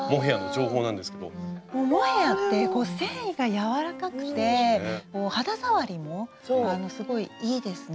モヘヤって繊維が柔らかくて肌触りもすごいいいですね。